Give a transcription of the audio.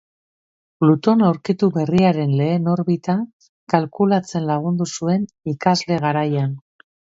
Pluton aurkitu berriaren lehen orbita kalkulatzen lagundu zuen ikasle-garaian.